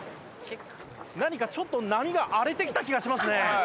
何かちょっと波が荒れてきた気がしますね。